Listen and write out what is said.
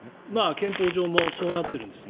憲法上もそうなっているんです。